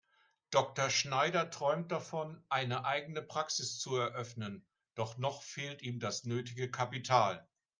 Dr. Schneider träumt davon, eine eigene Praxis zu eröffnen, doch noch fehlt ihm das nötige Kapital.